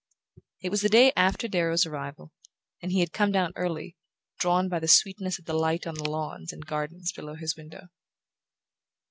It was the day after Darrow's arrival, and he had come down early, drawn by the sweetness of the light on the lawns and gardens below his window.